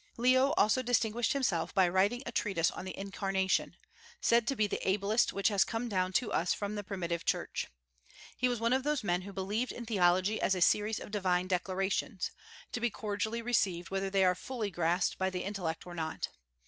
Leo also distinguished himself by writing a treatise on the Incarnation, said to be the ablest which has come down to us from the primitive Church. He was one of those men who believed in theology as a series of divine declarations, to be cordially received whether they are fully grasped by the intellect or not.